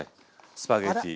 スパゲッティ。